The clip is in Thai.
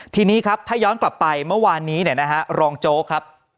ทีนี้ครับถ้าย้อนกลับไปเมื่อวานนี้เนี่ยนะฮะรองโจ๊กครับ